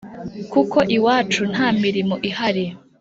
kuko iwacu nta mirimo ihari